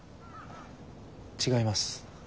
違います。